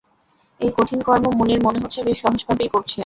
এই কঠিন কর্ম মুনির, মনে হচ্ছে, বেশ সহজভাবেই করছে।